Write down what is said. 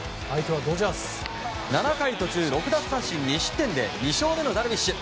７回途中６奪三振２失点で２勝目のダルビッシュ。